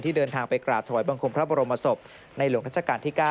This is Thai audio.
เดินทางไปกราบถวายบังคมพระบรมศพในหลวงรัชกาลที่๙